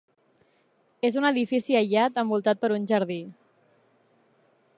És un edifici aïllat envoltat per un jardí.